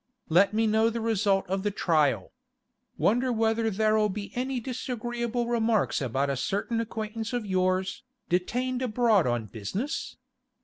Let me know the result of the trial. Wonder whether there'll be any disagreeable remarks about a certain acquaintance of yours, detained abroad on business?